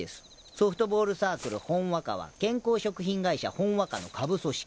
ソフトボールサークルほんわかは健康食品会社ほんわかの下部組織。